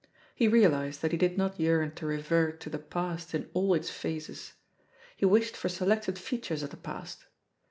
He realised that he did not yearn to revert to the past in all its phases; he vdshed for selected features of the past.